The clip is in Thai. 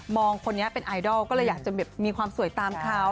คนนี้เป็นไอดอลก็เลยอยากจะมีความสวยตามเขา